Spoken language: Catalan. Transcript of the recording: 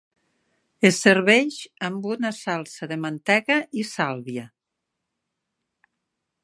Es serveix amb una salsa de mantega i sàlvia.